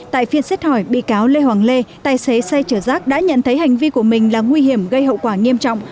tại phiên xét hỏi bị cáo lê hoàng lê tài xế xe chở rác đã nhận thấy hành vi của mình là nguy hiểm gây hậu quả nghiêm trọng